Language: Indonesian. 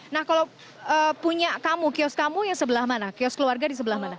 nah kalau punya kamu kios kamu yang sebelah mana kios keluarga di sebelah mana